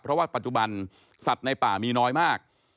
เพราะว่าปัจจุบันสัตว์ในป่ามีน้อยมาก